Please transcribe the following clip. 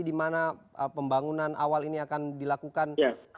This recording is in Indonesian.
di mana pembangunan awal ini akan dilakukan